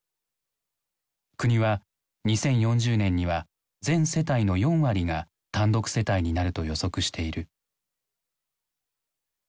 国は２０４０年には全世帯の４割が単独世帯になると予測している。